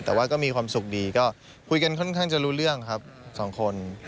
แต่ว่าก็มีความสุขดีก็คุยกันค่อนข้างจะรู้เรื่องครับสองคน